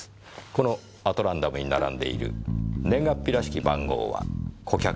このアトランダムに並んでいる年月日らしき番号は顧客名の代わり。